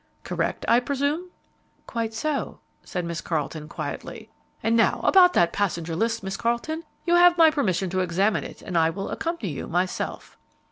Correct, I presume?" "Quite so," said Miss Carleton, quietly. "And now about that passenger list, Miss Carleton; you have my permission to examine it, and I will accompany you myself."